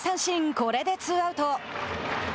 これでツーアウト。